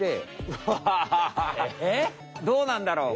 うわ！どうなんだろう？